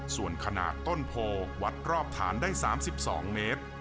ส่วนขนาดต้นโพวัดรอบฐานได้๓๒เมตร